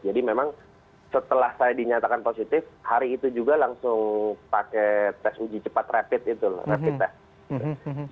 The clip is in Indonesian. jadi memang setelah saya dinyatakan positif hari itu juga langsung pakai tes uji cepat rapid itu loh rapid test